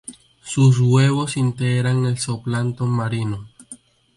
Sus huevos integran el zooplancton marino.